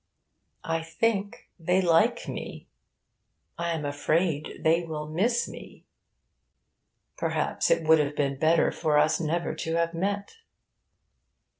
I think they like me. I am afraid they will miss me. Perhaps it would be better for us never to have met.